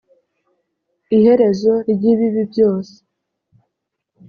iherezo ry ibibi byose